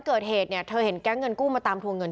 เกิดเหตุเนี่ยเธอเห็นแก๊งเงินกู้มาตามทวงเงิน